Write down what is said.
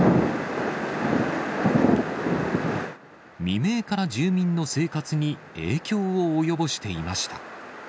未明から住民の生活に影響を及ぼしていました。